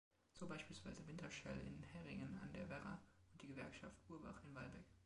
So beispielsweise Wintershall in Heringen an der Werra und die Gewerkschaft Burbach in Walbeck.